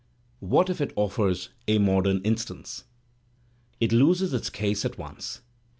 What if it offers "A Modem Instance?" It loses its case at once.